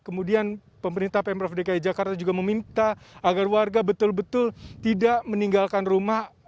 kemudian pemerintah pemprov dki jakarta juga meminta agar warga betul betul tidak meninggalkan rumah